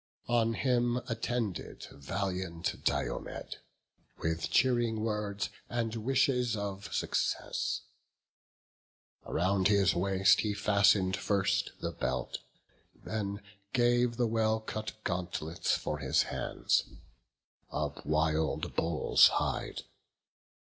On him attended valiant Diomed, With cheering words, and wishes of success. Around his waist he fasten'd first the belt, Then gave the well cut gauntlets for his hands. Of wild bull's hide.